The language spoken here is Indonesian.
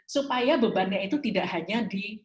supaya bebannya itu tidak hanya di